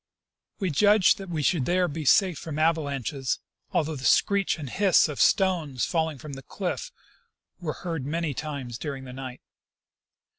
We judged that we should there be safe from avalanches, although the screech and hiss of stones falling from the cliff were heard many times during the night.